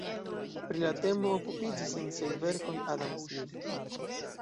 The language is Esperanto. Pri la temo okupiĝis en siaj verkoj Adam Smith.